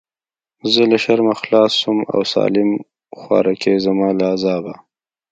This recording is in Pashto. زه له شرمه خلاص سوم او سالم خواركى زما له عذابه.